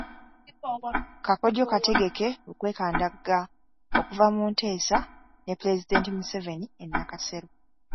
Kakodyo Kategeke okwekandagga okuva mu nteesa ne Pulezidenti Museveni e Nakasero